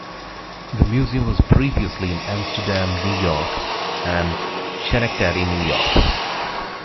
The museum was previously in Amsterdam, New York and Schenectady, New York.